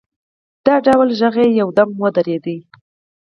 د ډول غږ یو دم ودرېد.